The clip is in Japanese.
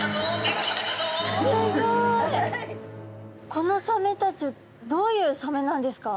このサメたちどういうサメなんですか？